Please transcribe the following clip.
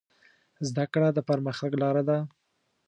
زده کړه د پرمختګ لاره ده.